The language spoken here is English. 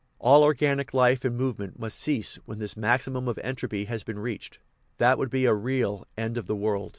All organic life and movement must cease when this maximum of entropy has been reached. That would be a real " end of the world."